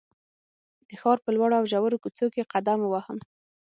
د ښار په لوړو او ژورو کوڅو کې قدم ووهم.